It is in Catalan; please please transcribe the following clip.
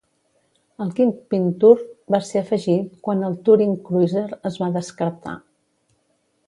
El Kingpin Tour va ser afegit quan el Touring Cruiser es va descartar.